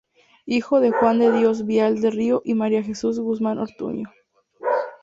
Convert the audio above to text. Hijo de Juan de Dios Vial del Río y María Jesús Guzmán Ortúzar.